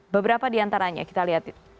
beberapa diantaranya kita lihat